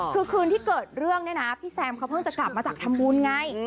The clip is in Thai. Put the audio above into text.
คือคืนที่เกิดเรื่องเนี่ยนะพี่แซมเขาเพิ่งจะกลับมาจากทำบุญไง